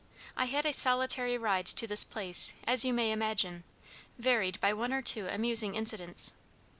I had a solitary ride to this place, as you may imagine, varied by one or two amusing incidents.